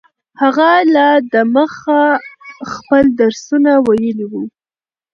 هغه لا دمخه خپل درسونه ویلي وو.